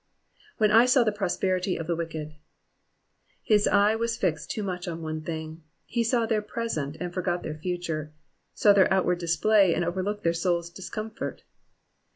^^When I saw the prosperity of the wicked,^ ^ His eye was fixed too much on one thing ; he saw their present, and forgot their future, saw their outward display, and overlooked their souPs discomfort.